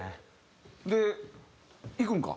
でいくんか？